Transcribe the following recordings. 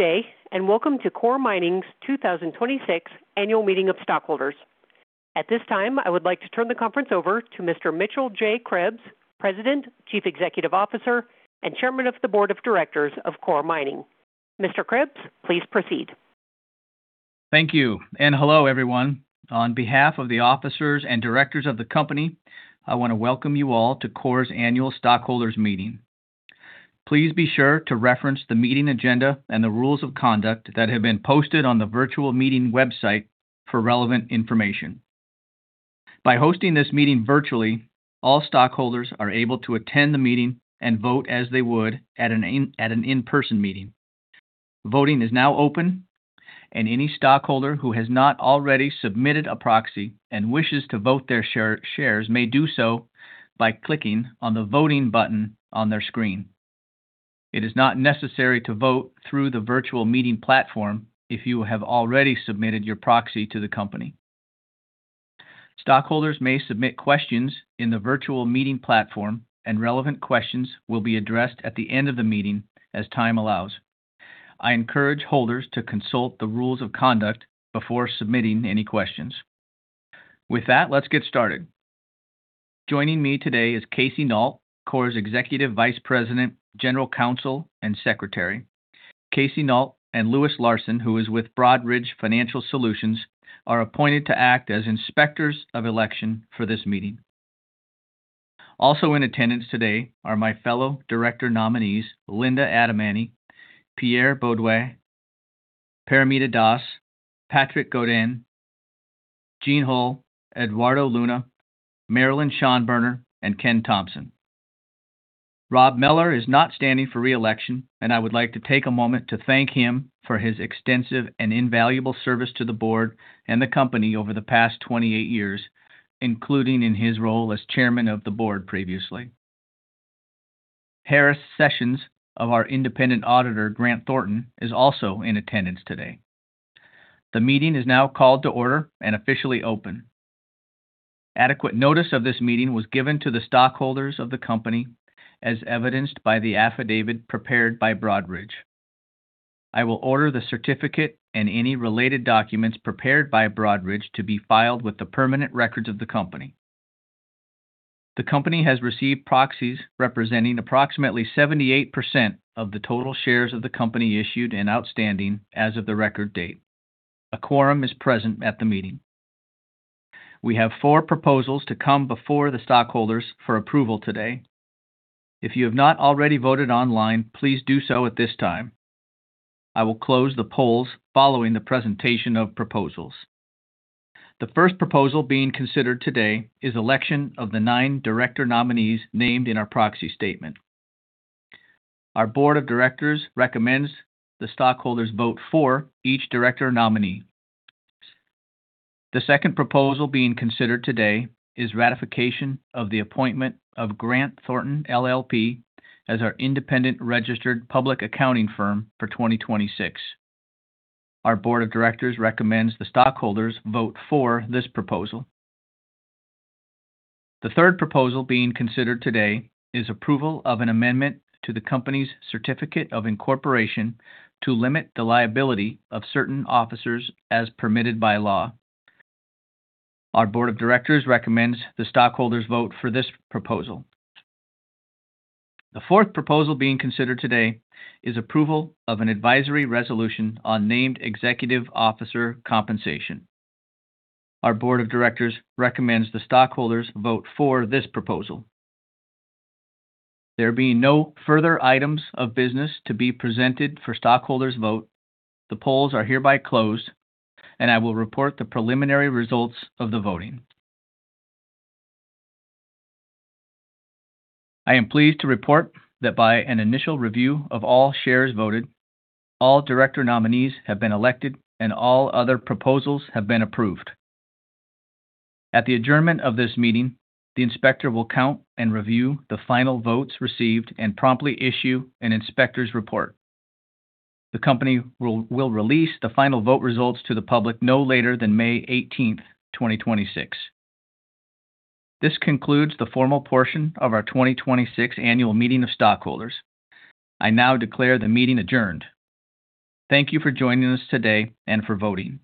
Day, Welcome to Coeur Mining's 2026 Annual Meeting of Stockholders. At this time, I would like to turn the conference over to Mr. Mitchell J. Krebs, President, Chief Executive Officer, and Chairman of the Board of Directors of Coeur Mining. Mr. Krebs, please proceed. Thank you, and hello, everyone. On behalf of the officers and Directors of the company, I want to welcome you all to Coeur's Annual Stockholders Meeting. Please be sure to reference the meeting agenda and the rules of conduct that have been posted on the virtual meeting website for relevant information. By hosting this meeting virtually, all stockholders are able to attend the meeting and vote as they would at an in-person meeting. Voting is now open, and any stockholder who has not already submitted a proxy and wishes to vote their shares may do so by clicking on the Voting button on their screen. It is not necessary to vote through the virtual meeting platform if you have already submitted your proxy to the company. Stockholders may submit questions in the virtual meeting platform, and relevant questions will be addressed at the end of the meeting as time allows. I encourage holders to consult the rules of conduct before submitting any questions. With that, let's get started. Joining me today is Casey Nault, Coeur's Executive Vice President, General Counsel, and Secretary. Casey Nault and Louis Larsen, who is with Broadridge Financial Solutions, are appointed to act as Inspectors of Election for this meeting. Also in attendance today are my fellow director nominees, Linda Adamany, Pierre Beaudoin, Paramita Das, Patrick Godin, Jeane Hull, Eduardo Luna, Marilyn Schonberner, and Ken Thompson. Rob Mellor is not standing for re-election, and I would like to take a moment to thank him for his extensive and invaluable service to the Board and the company over the past 28 years, including in his role as Chairman of the Board previously. Harris Sessions of our independent auditor, Grant Thornton, is also in attendance today. The meeting is now called to order and officially open. Adequate notice of this meeting was given to the stockholders of the company, as evidenced by the affidavit prepared by Broadridge. I will order the certificate and any related documents prepared by Broadridge to be filed with the permanent records of the company. The company has received proxies representing approximately 78% of the total shares of the company issued and outstanding as of the record date. A quorum is present at the meeting. We have four proposals to come before the stockholders for approval today. If you have not already voted online, please do so at this time. I will close the polls following the presentation of proposals. The first proposal being considered today is election of the nine director nominees named in our proxy statement. Our Board of Directors recommends the stockholders vote for each Director nominee. The second proposal being considered today is ratification of the appointment of Grant Thornton LLP as our independent registered public accounting firm for 2026. Our Board of Directors recommends the stockholders vote for this proposal. The third proposal being considered today is approval of an amendment to the company's certificate of incorporation to limit the liability of certain officers as permitted by law. Our Board of Directors recommends the stockholders vote for this proposal. The fourth proposal being considered today is approval of an advisory resolution on named executive officer compensation. Our Board of Directors recommends the stockholders vote for this proposal. There being no further items of business to be presented for stockholders' vote, the polls are hereby closed, and I will report the preliminary results of the voting. I am pleased to report that by an initial review of all shares voted, all Director nominees have been elected, and all other proposals have been approved. At the adjournment of this meeting, the inspector will count and review the final votes received and promptly issue an inspector's report. The company will release the final vote results to the public no later than May 18th, 2026. This concludes the formal portion of our 2026 Annual Meeting of Stockholders. I now declare the meeting adjourned. Thank you for joining us today and for voting.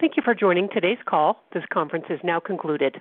Thank you for joining today's call. This conference is now concluded.